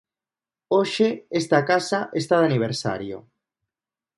Hoxe, esta casa está de aniversario.